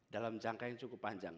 dalam jangka yang cukup panjang